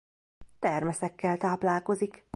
Termeszekkel táplálkozik.